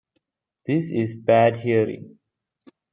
This is bad hearing.